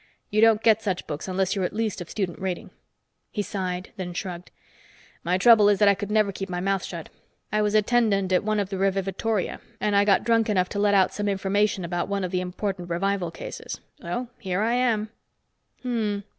"You don't get such books unless you're at least of student rating." He sighed, then shrugged. "My trouble is that I could never keep my mouth shut. I was attendant at one of the revivatoria, and I got drunk enough to let out some information about one of the important revival cases. So here I am." "Umm."